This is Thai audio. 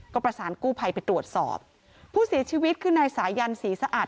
ก็ประสานกู้ภัยไปตรวจสอบผู้เสียชีวิตคือนายสายันศรีสะอาด